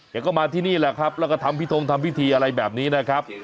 ก็มาที่นี่แหละครับแล้วก็ทำพิทงทำพิธีอะไรแบบนี้นะครับ